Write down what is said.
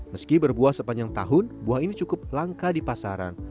meski berbuah sepanjang tahun buah ini cukup langka di pasaran